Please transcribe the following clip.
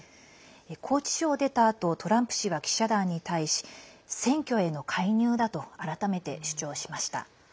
拘置所を出たあとトランプ氏は記者団に対し選挙への介入だと改めて主張しました。